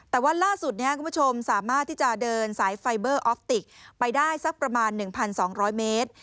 แต่ว่าล่าสุดคุณผู้ชมสามารถที่จะเดินสายไฟเบอร์ออฟติกไปได้สักประมาณ๑๒๐๐เมตร